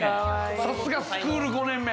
さすがスクール５年目。